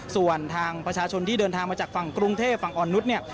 ส่วนทางประชาชนที่เดินทางมาจากฝั่งกรุงเทพฝั่งอ่อนนุษย์เนี่ย